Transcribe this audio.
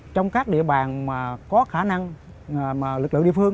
trong các địa bàn có khả năng lực lượng địa phương